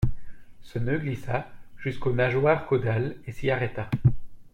Ce nœud glissa jusqu'aux nageoires caudales et s'y arrêta.